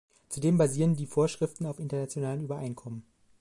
Zudem basieren die Vorschriften auf internationalen Übereinkommen.